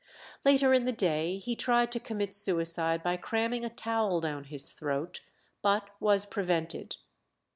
Later in the day he tried to commit suicide by cramming a towel down his throat, but was prevented.